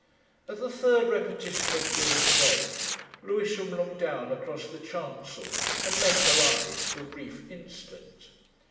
At the third repetition of the refrain, Lewisham looked down across the chancel and met her eyes for a brief instant....